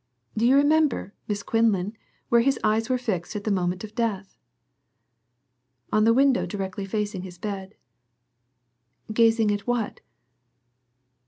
Do you remember, Miss Quinlan, where his eyes were fixed at the moment of death?" "On the window directly facing his bed." "Gazing at what?"